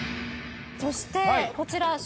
そしてこちら。